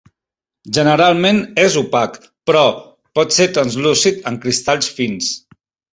Generalment és opac però pot ser translúcid en cristalls fins.